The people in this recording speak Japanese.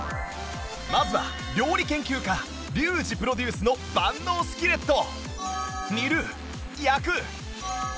まずは料理研究家リュウジプロデュースの万能スキレット